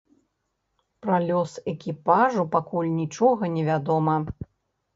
Пра лёс экіпажу пакуль нічога невядома.